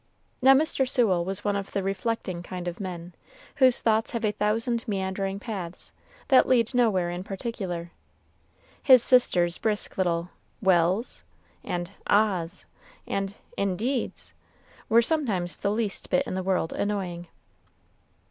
Now Mr. Sewell was one of the reflecting kind of men, whose thoughts have a thousand meandering paths, that lead nowhere in particular. His sister's brisk little "Well's?" and "Ah's!" and "Indeed's!" were sometimes the least bit in the world annoying.